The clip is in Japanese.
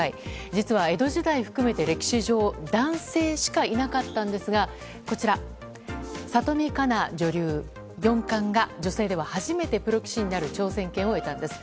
実は江戸時代含めて、歴史上男性しかいなかったんですがこちら、里見香奈女流四冠が女性では初めてプロ棋士になる挑戦権を得たんです。